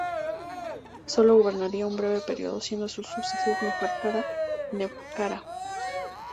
Sólo gobernaría un breve periodo, siendo su sucesor Neferkara-Nebkara.